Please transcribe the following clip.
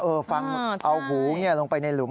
ฟังเอาหูลงไปในหลุม